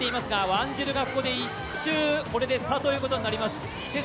ワンジルがここで１周差ということになります。